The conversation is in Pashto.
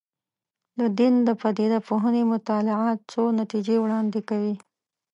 د دین د پدیده پوهنې مطالعات څو نتیجې وړاندې کوي.